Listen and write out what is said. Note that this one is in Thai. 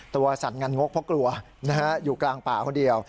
ตัวสันงานงกเพราะกลัวอยู่กลางป่าคนเดียว